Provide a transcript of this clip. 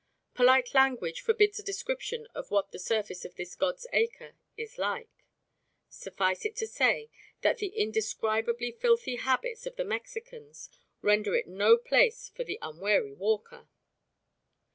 Polite language forbids a description of what the surface of this God's acre is like: suffice it to say that the indescribably filthy habits of the Mexicans render it no place for the unwary walker.